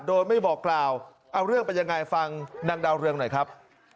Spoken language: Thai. โดยไม่บอกกล่าวเอาเรื่องเป็นยังไงฟังนางดาวเรืองหน่อยครับ